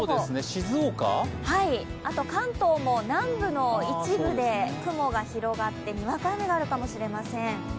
静岡、関東も南部の一部で雲が広がって、にわか雨があるかもしれません。